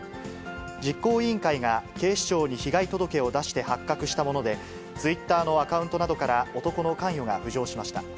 実行委員会が警視庁に被害届を出して発覚したもので、ツイッターのアカウントなどから男の関与が浮上しました。